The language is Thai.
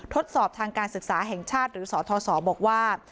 ทดสอบทางการศึกษาแห่งชาติหรือสทศบอกว่า